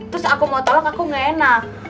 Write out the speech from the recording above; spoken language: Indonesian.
terus aku mau tolak aku gak enak